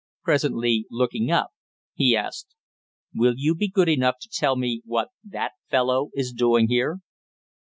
Presently looking up he asked: "Will you be good enough to tell me what that fellow is doing here?"